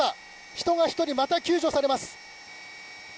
人が１人、また救助されます。